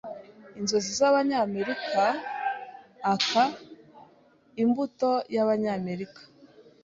Inzozi z'Abanyamerika ... Aka Imbuto y'Abanyamerika